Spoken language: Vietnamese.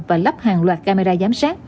và lắp hàng loạt camera giám sát